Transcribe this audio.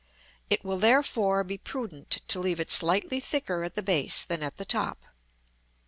It will therefore be prudent to leave it slightly thicker at the base than at the top.